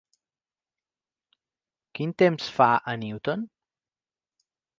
Quin temps fa a Newton?